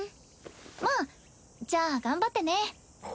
まあじゃあ頑張ってね。